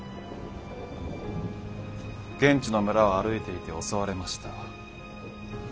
現地の村を歩いていて襲われました。